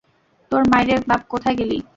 তোর মাইরে বাপ কোথায় গেলি?